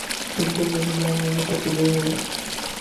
تم تو میری جان لینے پر تُلے ہو